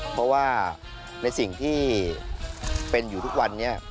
เพราะว่าในสิ่งที่เป็นอยู่ทุกวันนี้